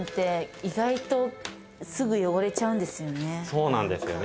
そうなんですよね。